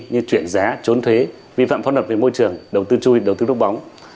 như chuyển giá trốn thuế vi phạm pháp luật về môi trường đầu tư chui đầu tư đốt bóng